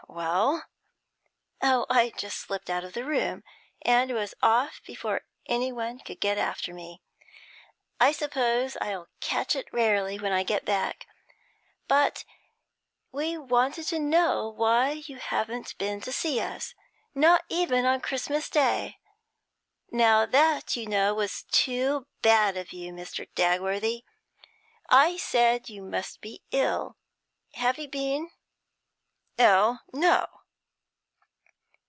'Well ?' 'Oh, I just slipped out of the room, and was off before anyone could get after me. I suppose I shall catch it rarely when I get back. But we wanted to know why you haven't been to see us not even on Christmas Day. Now that, you know, was too bad of you, Mr. Dagworthy. I said you must be ill. Have you been?' 'Ill? No.'